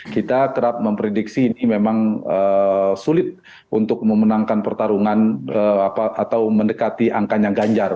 kita kerap memprediksi ini memang sulit untuk memenangkan pertarungan atau mendekati angkanya ganjar